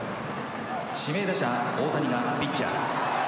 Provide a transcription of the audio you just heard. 指名打者大谷がピッチャー。